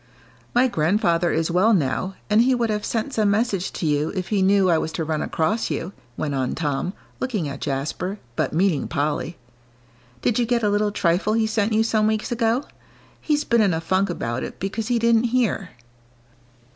"My grandfather is well now, and he would have sent some message to you if he knew I was to run across you," went on Tom, looking at Jasper, but meaning Polly; "did you get a little trifle he sent you some weeks ago? He's been in a funk about it because he didn't hear."